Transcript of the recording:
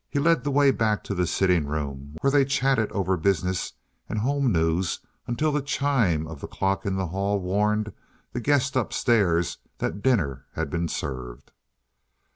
He led the way back to the sitting room where they chatted over business and home news until the chime of the clock in the hall warned the guests up stairs that dinner had been served.